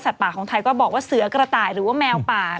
ป่าของไทยก็บอกว่าเสือกระต่ายหรือว่าแมวป่า